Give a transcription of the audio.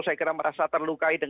saya kira merasa terlukai